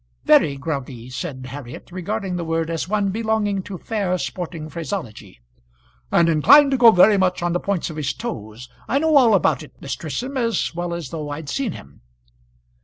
"Very groggy," said Harriet, regarding the word as one belonging to fair sporting phraseology. "And inclined to go very much on the points of his toes. I know all about it, Miss Tristam, as well as though I'd seen him."